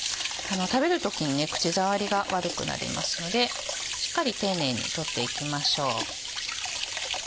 食べる時に口触りが悪くなりますのでしっかり丁寧に取っていきましょう。